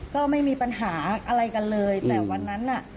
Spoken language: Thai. ก็ไม่มีปัญหาอะไรกันเลยแต่วันนั้นน่ะ